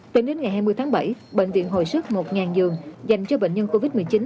tính đến ngày hai mươi tháng bảy bệnh viện hồi sức một giường dành cho bệnh nhân covid một mươi chín